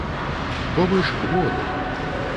Бо вы ж кволы.